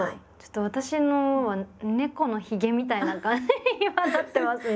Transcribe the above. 私のは猫のヒゲみたいな感じに今なってますね。